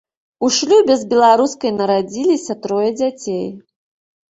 У шлюбе з беларускай нарадзіліся трое дзяцей.